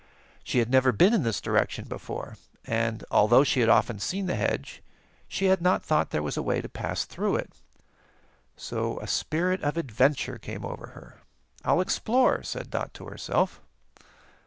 She had never been in this direction before, and although she had often seen the hedge, she had not thought there was a way to pass through it. So a spirit of adventure came over her. "I'll explore," said Dot to herself.